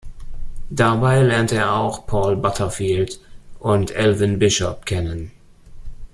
Dabei lernte er auch Paul Butterfield und Elvin Bishop kennen.